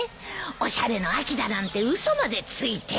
おしゃれの秋だなんて嘘までついて。